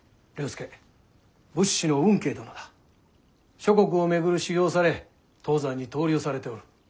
諸国を巡る修行をされ当山にとう留されておる。